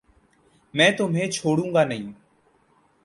میں تمہیں چھوڑوں گانہیں